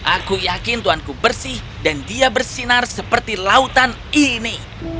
aku yakin tuanku bersih dan dia bersinar seperti lautan ini